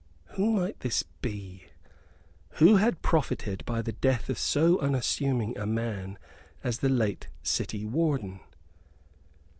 Who might this be? Who had profited by the death of so unassuming a man as the late city warden?